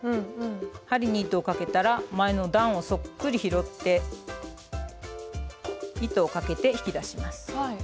針に糸をかけたら前の段をそっくり拾って糸をかけて引き出します。